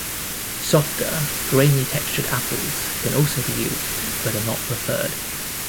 Softer, grainy-textured apples can also be used, but are not preferred.